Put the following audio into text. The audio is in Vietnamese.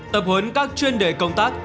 tập huấn các chuyên đề công tác